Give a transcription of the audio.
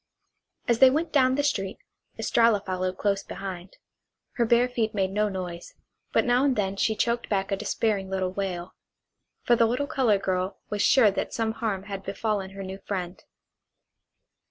As they went down the street Estralla followed close behind. Her bare feet made no noise, but now and then she choked back a despairing little wail. For the little colored girl was sure that some harm had befallen her new friend.